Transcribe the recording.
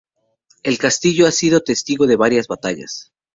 El castillo ha sido testigo de varias batallas.